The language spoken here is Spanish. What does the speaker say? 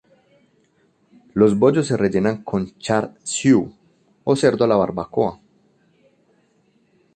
Los bollos se rellenan con "char siu" o cerdo a la barbacoa.